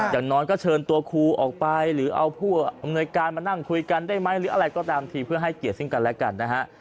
อย่างน้อยก็เชิญตัวครูออกไปหรือเอาผู้อำนวยการมานั่งคุยกันได้ไหมหรืออะไรก็ตามทีเพื่อให้เกียรติซึ่งกันและกันนะฮะ